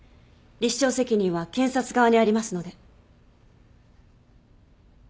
立証責任は検察側にありますので。